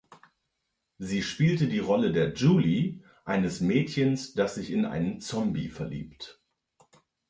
Sie spielt die Rolle der "Julie", eines Mädchens, das sich in einen Zombie verliebt.